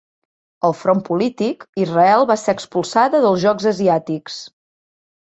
Al front polític, Israel va ser expulsada dels Jocs asiàtics.